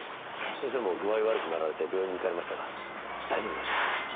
先生も具合悪くなられて病院に行かれましたが大丈夫です。